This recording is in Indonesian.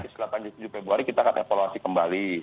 setelah tanggal tujuh februari kita akan evaluasi kembali